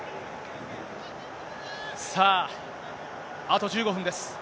さあ、あと１５分です。